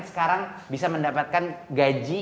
sekarang bisa mendapatkan gaji